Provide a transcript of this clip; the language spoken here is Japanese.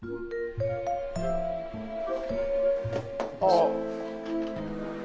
あっ。